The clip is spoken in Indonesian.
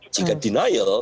jika denial tentu